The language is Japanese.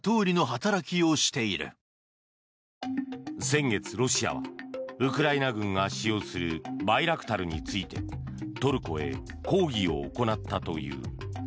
先月、ロシアはウクライナ軍が使用するバイラクタルについてトルコへ抗議を行ったという。